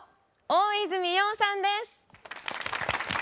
大泉洋さんです！